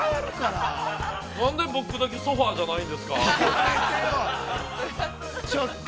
なんで僕だけソファーじゃないんですか。